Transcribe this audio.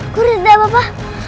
guru ada apa apa